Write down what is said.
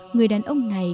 người đàn ông này